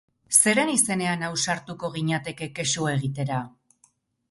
Zeren izenean ausartuko ginateke kexu egitera?